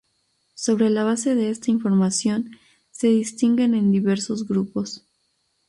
Sobre la base de esta información, se distinguen en diversos grupos.